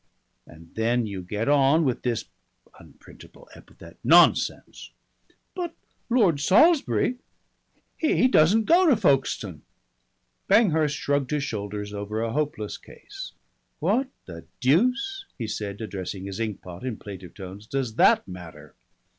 And then you get on to this (unprintable epithet) nonsense!" "But Lord Salisbury he doesn't go to Folkestone." Banghurst shrugged his shoulders over a hopeless case. "What the deuce," he said, addressing his inkpot in plaintive tones, "does that matter?"